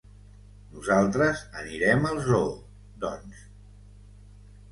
Nosaltres anirem al zoo, doncs.